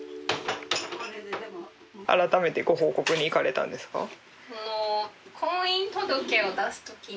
あらためてご報告に行かれたんですか？